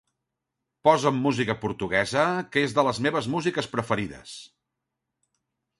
Posa'm música portuguesa, que és de les meves músiques preferides.